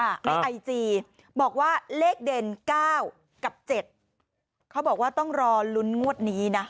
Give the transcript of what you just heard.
ในไอจีบอกว่าเลขเด่นเก้ากับเจ็ดเขาบอกว่าต้องรอลุ้นงวดนี้นะ